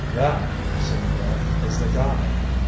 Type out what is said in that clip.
"That," said Bill, "is the guy.